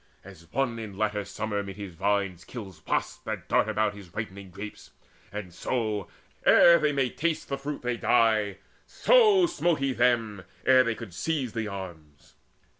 As one in latter summer 'mid his vines Kills wasps that dart about his ripening grapes, And so, ere they may taste the fruit, they die; So smote he them, ere they could seize the arms.